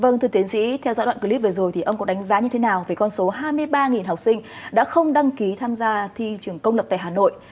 vâng thưa tiến sĩ theo dõi đoạn clip vừa rồi thì ông có đánh giá như thế nào về con số hai mươi ba học sinh đã không đăng ký tham gia thi trường công lập tại hà nội